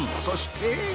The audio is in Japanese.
そして。